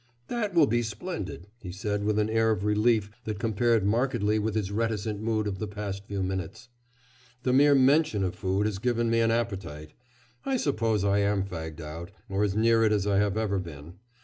"That will be splendid," he said with an air of relief that compared markedly with his reticent mood of the past few minutes. "The mere mention of food has given me an appetite. I suppose I am fagged out, or as near it as I have ever been.